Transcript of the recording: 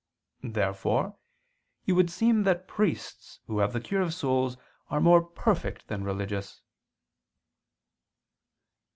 Therefore it would seem that priests who have the cure of souls are more perfect than religious.